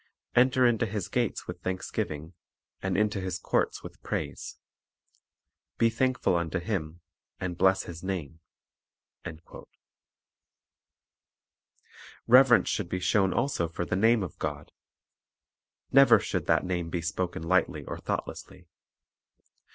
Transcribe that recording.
Enter into His gates with thanksgiving, And into His courts with praise; Be thankful unto Him, and bless His name." 4 Reverence should be shown also for the name of God. Never should that name be spoken lightly or thoughtlessly.